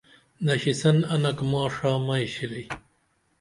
سڑا ہوا انڈہ میرے سر پر مت توڑو